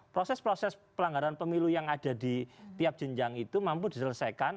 proses proses pelanggaran pemilu yang ada di tiap jenjang itu mampu diselesaikan